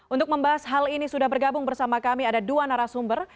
untuk membahas hal ini sudah bergabung bersama kami ada dua narasumber